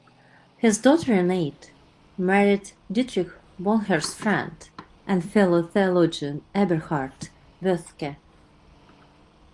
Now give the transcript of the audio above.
His daughter Renate married Dietrich Bonhoeffer's friend and fellow theologian, Eberhard Bethge.